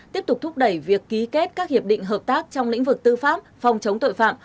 tiếp tục thúc đẩy việc ký kết các hiệp định hợp tác trong lĩnh vực tư pháp phòng chống tội phạm